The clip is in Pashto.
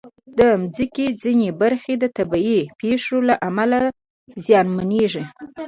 د مځکې ځینې برخې د طبعي پېښو له امله زیانمنېږي.